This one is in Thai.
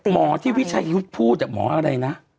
หมอที่วิชายุทธ์พูดหมออะไรนะ